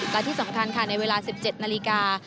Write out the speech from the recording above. และที่สำคัญค่ะในเวลา๑๗นาฬิกา